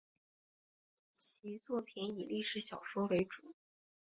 其作品以历史小说为主。